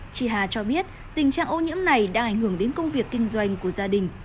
chị hà cho biết tình trạng ô nhiễm này đang ảnh hưởng đến công việc kinh doanh của gia đình